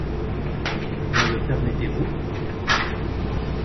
Me le permettez-vous?